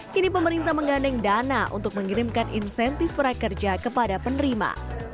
kini pemerintah menggandeng dana untuk mengirimkan insentif prakerja kepada penerima